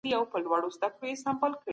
داستاني اثار زموږ د تېر وخت یادونه ده.